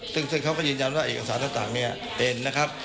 ซึ่งเขาก็ยืนยันว่าเอกสารต่างเนี่ยเห็นนะครับ